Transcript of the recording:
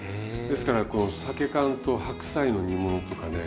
ですからこのさけ缶と白菜の煮物とかね。